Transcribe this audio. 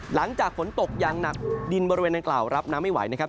หลังจากฝนตกอย่างหนักดินบริเวณดังกล่าวรับน้ำไม่ไหวนะครับ